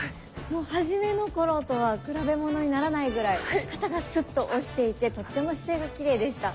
初めの頃とは比べ物にならないぐらい肩がスッと落ちていてとっても姿勢がきれいでした。